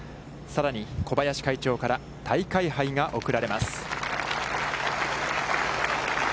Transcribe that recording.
さらに、小林会長から大会杯が贈られます。